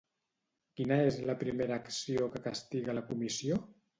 Quina és la primera acció que castiga la Comissió?